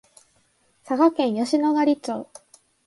佐賀県吉野ヶ里町